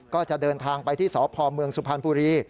ก็จะเดินทางไปที่สพมสุพรรณภูรี